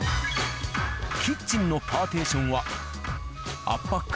キッチンのパーティションは圧迫感